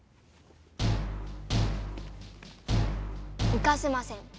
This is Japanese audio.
行かせません。